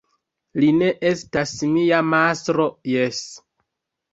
Li ne estas mia mastro, jes!